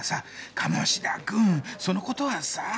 鴨志田君その事はさ。